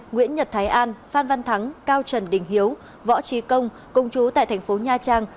nguyễn nhật thái an phan văn thắng cao trần đình hiếu võ trí công công chú tại thành phố nha trang